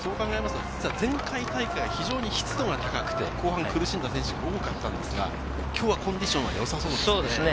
前回大会は非常に湿度が高くて、後半苦しんだ選手が多かったんですが、きょうはコンディションは良さそうですね。